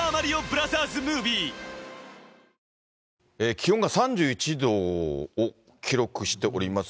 気温が３１度を記録しております。